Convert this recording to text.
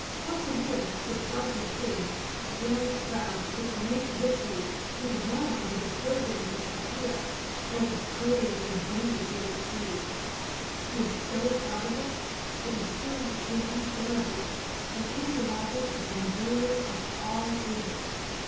Pausanias, the Spartan king, was very proud of the great victory he had won over the Persians at Platæa, and of the praise and booty he had received. He was so proud of it, that he soon became unbearable, and even wanted to become ruler of all Greece.